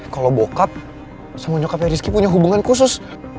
kalau bokap sama nyokapnya rizky punya hubungan khusus